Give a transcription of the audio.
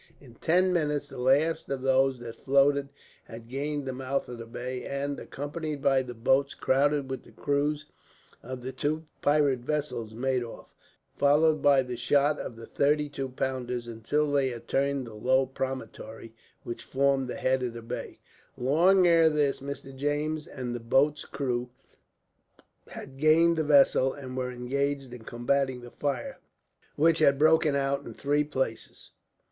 In ten minutes the last of those that floated had gained the mouth of the bay and, accompanied by the boats, crowded with the crews of the two pirate vessels, made off; followed by the shot of the thirty two pounders, until they had turned the low promontory which formed the head of the bay. Long ere this Mr. James and the boats' crews had gained the vessel, and were engaged in combating the fire, which had broken out in three places.